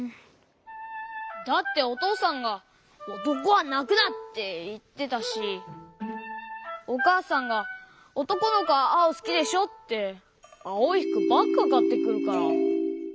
だっておとうさんが「おとこはなくな！」っていってたしおかあさんが「おとこのこはあおすきでしょ」ってあおいふくばっかかってくるから。